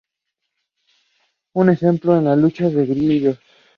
Un ejemplo es la lucha de grillos.